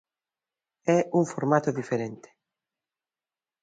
É un formato diferente.